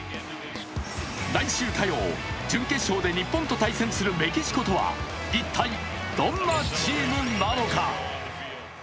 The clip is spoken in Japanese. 来週火曜、準決勝で日本と対戦するメキシコとは一体どんなチームなのか。